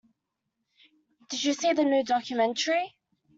Did you see the new documentary?